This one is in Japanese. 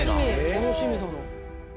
楽しみだな。